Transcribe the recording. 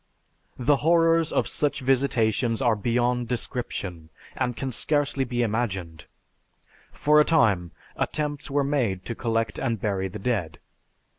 The horrors of such visitations are beyond description, and can scarcely be imagined. For a time, attempts were made to collect and bury the dead.